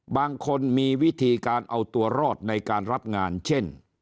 บางคนมีวิธีการเอาตัวรอดในการรับงานเช่น